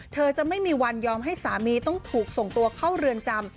เธอจะไม่มีวันยอมให้สามีต้องถูกส่งตัวเข้าเรือนจำ